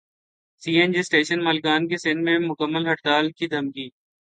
سی N G station مالکان کی سندھ میں مکمل ہڑتال کی دھمکی